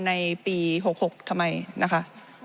ในปี๖๖ทำไมนะคะ